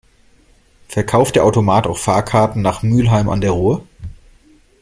Verkauft der Automat auch Fahrkarten nach Mülheim an der Ruhr?